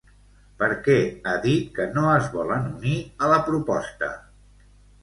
Per què ha dit que no es volen unir a la proposta?